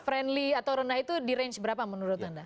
friendly atau rendah itu di range berapa menurut anda